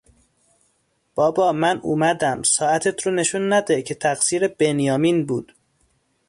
بابا من اومدم. ساعتت رو نشون نده که تقصیر بنیامین بود!